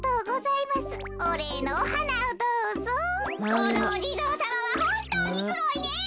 このおじぞうさまはほんとうにすごいね。